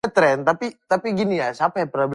And we did.